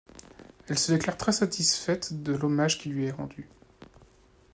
Elle se déclare très satisfaite de l'hommage qui lui est rendu.